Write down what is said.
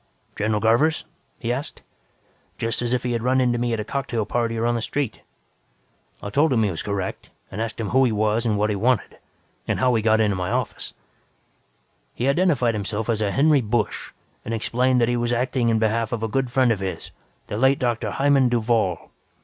"'General Garvers?' he asked, just as if he had run into me at a cocktail party or on the street. "I told him he was correct, and asked him who he was and what he wanted. And how he got into my office. "He identified himself as a Henry Busch and explained that he was acting in behalf of a good friend of his, the late Dr. Hymann Duvall.